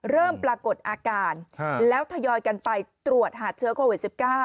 เริ่มปรากฏอาการแล้วทยอยกันไปตรวจหาเชื้อโควิด๑๙